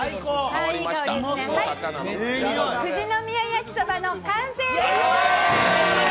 はい、富士宮やきそばの完成です。